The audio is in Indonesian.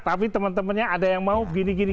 tapi teman temannya ada yang mau gini gini